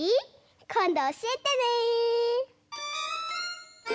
こんどおしえてね。